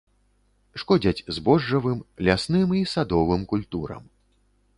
Шкодзяць збожжавым, лясным і садовым культурам.